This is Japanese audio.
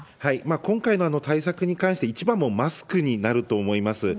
今回の対策に関して、一番、もうマスクになると思います。